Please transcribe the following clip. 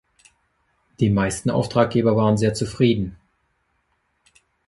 Die meisten Auftraggeber waren sehr zufrieden.